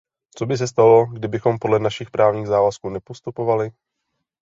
Co by se stalo, kdybychom podle našich právních závazků nepostupovali?